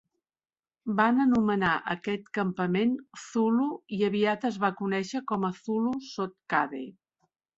Van anomenar aquest campament Zulu, i aviat es va conèixer com a Zulu Stockade.